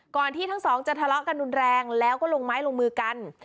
ที่ทั้งสองจะทะเลาะกันรุนแรงแล้วก็ลงไม้ลงมือกัน